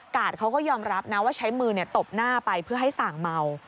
เขาก็ยอมรับนะว่าใช้มือตบหน้าไปเพื่อให้ส่างเมา